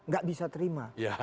gak bisa terima